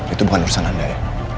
itu bukan urusan anda ya